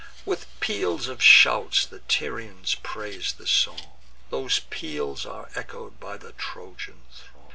With peals of shouts the Tyrians praise the song: Those peals are echo'd by the Trojan throng.